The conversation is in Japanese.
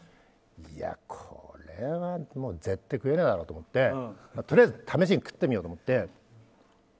いや、これは絶対食えるだろうと思ってとりあえず試しに食ってみようと思って。